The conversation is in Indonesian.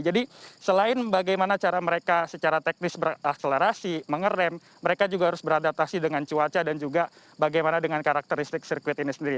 jadi selain bagaimana cara mereka secara teknis berakselerasi mengeram mereka juga harus beradaptasi dengan cuaca dan juga bagaimana dengan karakteristik sirkuit ini sendiri